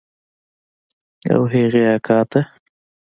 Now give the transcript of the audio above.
او هغې اکا ته.